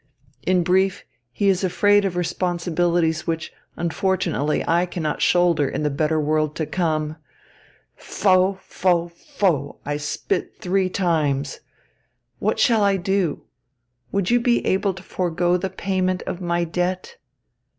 In brief, he is afraid of responsibilities which unfortunately I cannot shoulder in the better world to come faugh, faugh, faugh! I spit three times. What shall I do? Would you be able to forego the payment of my debt?